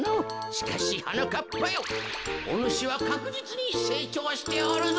しかしはなかっぱよおぬしはかくじつにせいちょうしておるぞ。